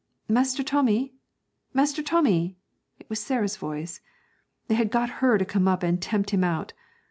'Master Tommy! Master Tommy!' It was Sarah's voice. They had got her to come up and tempt him out.